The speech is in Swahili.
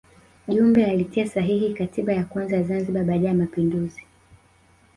Jumbe alitia sahihi katiba ya kwanza ya Zanzibar baada ya mapinduzi